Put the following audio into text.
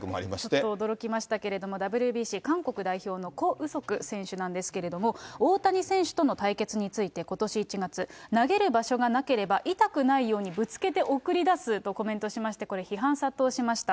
ちょっと驚きましたけれども、ＷＢＣ韓国代表のコ・ウソク選手なんですけれども、大谷選手との対決について、ことし１月、投げる場所がなければ、痛くないようにぶつけて送り出すとコメントしまして、これ、批判殺到しました。